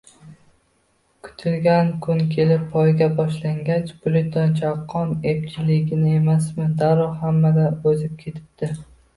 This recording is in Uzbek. Kutilgan kun kelib poyga boshlangach, Pluton chaqqon, epchilgina emasmi, darrov hammadan oʻzib ketibdi